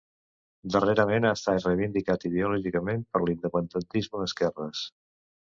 Darrerament ha estat reivindicat ideològicament per l'independentisme d'esquerres.